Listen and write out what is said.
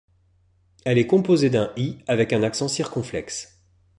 Elle est composée d’un І avec un accent circonflexe.